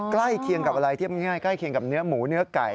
ใกล้เคียงกับอะไรเทียบง่ายใกล้เคียงกับเนื้อหมูเนื้อไก่